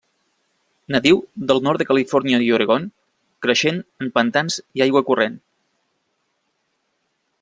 Natiu del nord de Califòrnia i Oregon, creixent en pantans i aigua corrent.